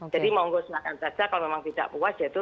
jadi mohon gue singkatkan saja kalau memang tidak puas